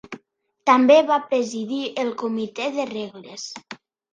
També va presidir el Comitè de Regles.